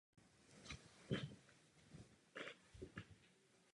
Byl připraven přijmout protesty své přísné matky Žofie.